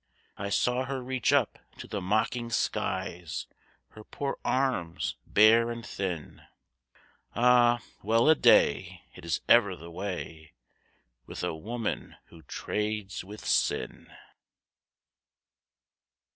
I saw her reach up to the mocking skies Her poor arms, bare and thin; Ah, well a day! it is ever the way With a woman who trades with sin.